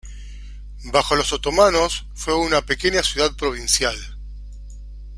Bajo los otomanos fue una pequeña ciudad provincial.